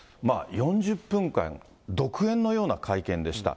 ４０分間独演のような会見でした。